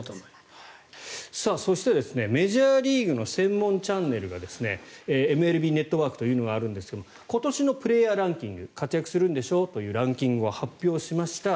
そして、メジャーリーグの専門チャンネルがＭＬＢネットワークというのがあるんですが今年のプレーヤーランキング活躍するんでしょというランキングを発表しました。